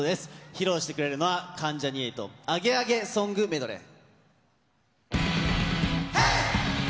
披露してくれるのは、関ジャニ∞、アゲアゲソングメドレー。